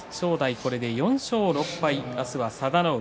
これで４勝６敗明日は佐田の海。